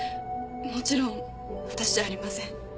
もちろん私じゃありません。